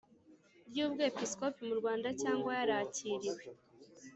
ry Ubwepisikopi mu Rwanda cyangwa yarakiriwe